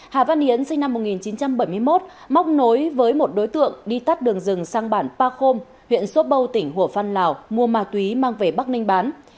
hà văn hiến sinh năm một nghìn chín trăm bảy mươi một móc nối với một đối tượng đi tắt đường rừng sang bản ba khôm huyện sốp bâu tỉnh hủa phan lào mua ma túy mang về bắc ninh bán